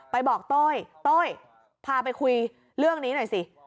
ไปบอกโต้ยโต้ยพาไปคุยเรื่องนี้หน่อยสิ